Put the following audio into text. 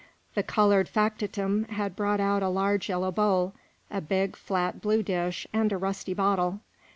The colored factotum had brought out a large yellow bowl, a big, flat, blue dish, and a rusty bottle.